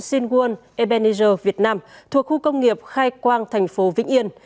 sinh nguồn ebenezer việt nam thuộc khu công nghiệp khai quang thành phố vĩnh yên